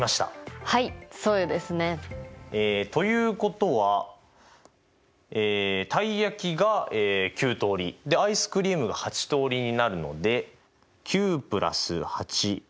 はいそうですね。ということはたい焼きが９通りアイスクリームが８通りになるので。